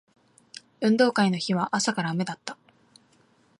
運動会の日は朝から雨だった